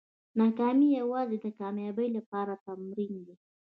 ناکامي یوازې د کامیابۍ لپاره تمرین دی.